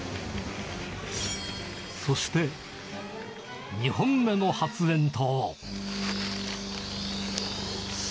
そして、２本目の発煙筒。